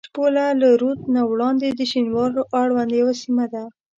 شپوله له رود نه وړاندې د شینوارو اړوند یوه سیمه ده.